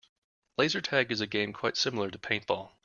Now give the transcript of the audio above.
Laser tag is a game quite similar to paintball.